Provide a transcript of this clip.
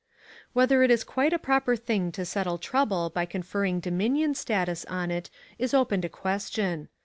Whether it is quite a proper thing to settle trouble by conferring dominion status on it, is open to question.